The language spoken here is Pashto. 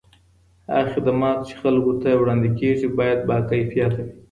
هغه خدمات چي خلګو ته وړاندې کیږي باید با کیفیته وي.